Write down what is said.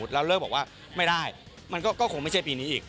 แล้วเลิกบอกว่าไม่ได้มันก็คงไม่ใช่ปีนี้อีก